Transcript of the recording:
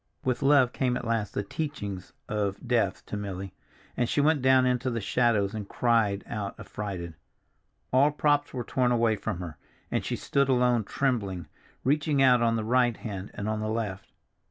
With love came at last the teaching of death to Milly, and she went down into the shadows and cried out affrighted. All props were torn away from her, and she stood alone trembling, reaching out on the right hand and on the left.